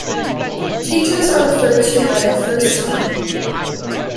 Teachers are referred to by their first name.